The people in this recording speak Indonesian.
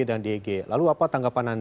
dan di eg lalu apa tanggapan anda ini